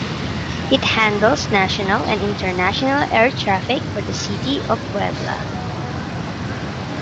It handles national and international air traffic for the city of Puebla.